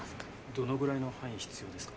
どのぐらいの範囲必要ですか？